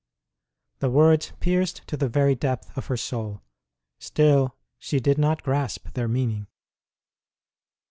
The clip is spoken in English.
The words pierced to the very depth of her soul; still, she did not grasp their meaning.